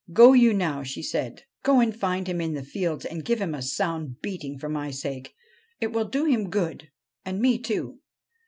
'Go you, now,' she said; 'go and find him in the fields and give him a sound beating for my sake. It will do him good and me too.'